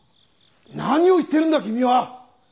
何を言ってるんだ君は！